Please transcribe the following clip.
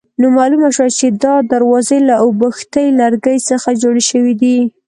نو معلومه شوه چې دا دروازې له اوبښتي لرګي څخه جوړې شوې دي.